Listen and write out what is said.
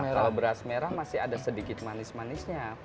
kalau beras merah masih ada sedikit manis manisnya